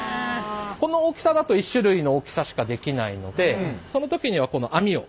この大きさだと１種類の大きさしかできないのでその時にはこの網を。